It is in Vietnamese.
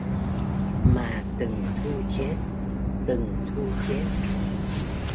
Mà từng thu chết, từng thu chết